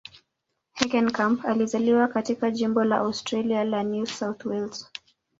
Heckenkamp alizaliwa katika jimbo la Australia la New South Wales.